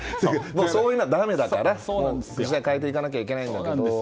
そういうのはだめだから時代を変えていかなきゃいけないんだけど。